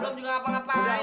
belum juga ngapa ngapain